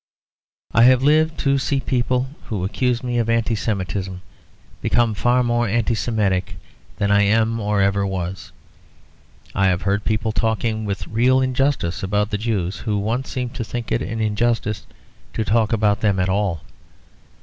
I have lived to see people who accused me of Anti Semitism become far more Anti Semitic than I am or ever was. I have heard people talking with real injustice about the Jews, who once seemed to think it an injustice to talk about them at all.